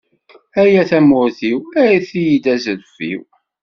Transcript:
Ay at tmurt-iw, erret-iyi-d azref-iw.